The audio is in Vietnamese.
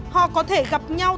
họ có thể gặp nhau